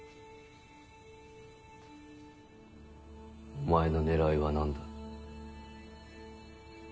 お前の狙いは何だ？